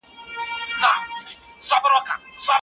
زه به د داستاني ادبیاتو څېړنه پیل کړم.